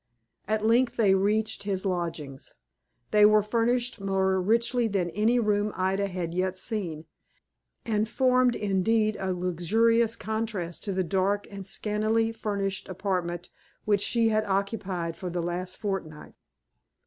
At length they reached his lodgings. They were furnished more richly than any room Ida had yet seen; and formed, indeed, a luxurious contrast to the dark and scantily furnished apartment which she had occupied for the last fortnight.